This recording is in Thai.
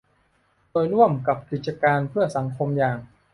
โดยร่วมกับกิจการเพื่อสังคมอย่าง